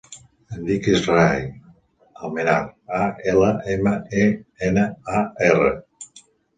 Em dic Israe Almenar: a, ela, ema, e, ena, a, erra.